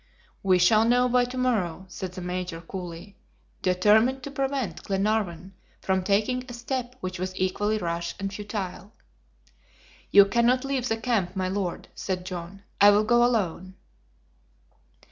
"We shall know by to morrow," said the Major, coolly, determined to prevent Glenarvan from taking a step which was equally rash and futile. "You cannot leave the camp, my Lord," said John. "I will go alone."